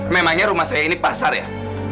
memangnya rumah saya ini pasar ya